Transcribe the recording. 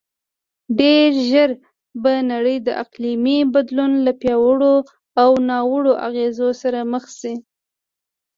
ډېرژر به نړی د اقلیمې بدلون له پیاوړو او ناوړو اغیزو سره مخ شې